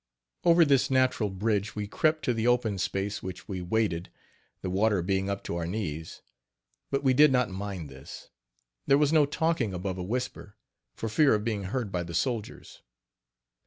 Over this natural bridge we crept to the open space which we waded, the water being up to our knees; but we did not mind this. There was no talking above a whisper, for fear of being heard by the soldiers.